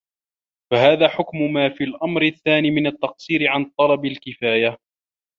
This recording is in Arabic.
فَهَذَا حُكْمُ مَا فِي الْأَمْرِ الثَّانِي مِنْ التَّقْصِيرِ عَنْ طَلَبِ الْكِفَايَةِ